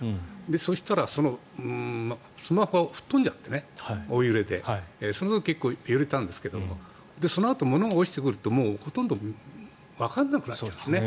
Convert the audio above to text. そしたら、スマホが揺れで吹っ飛んじゃってその時結構揺れたんですけどその時、ものが落ちてくるともうほとんどわからなくなっちゃうんですね。